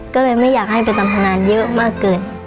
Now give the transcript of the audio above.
ก็เลยไม่อยากให้ไปทำงานเยอะมากเกิน